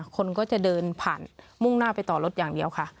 คนก็จะเดินผ่านมุ่งหน้าไปต่อรถอย่างเดียวค่ะ